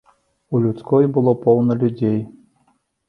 У людской было поўна людзей.